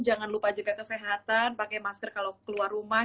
jangan lupa jaga kesehatan pakai masker kalau keluar rumah